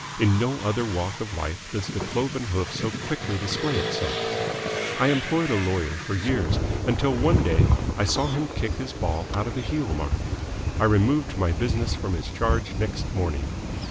In no other walk of life does the cloven hoof so quickly display itself. I employed a lawyer for years, until one day I saw him kick his ball out of a heel mark. I removed my business from his charge next morning.